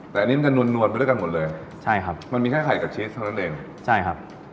แต่อันนี้มันจะนวนนวลไปด้วยกันหมดเลยใช่ครับมันมีแค่ไข่กับชีสเท่านั้นเองใช่ครับ